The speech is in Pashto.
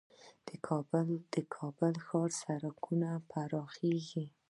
د کابل ښار سړکونه پراخیږي؟